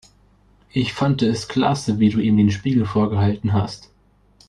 Ich fand es klasse, wie du ihm den Spiegel vorgehalten hast.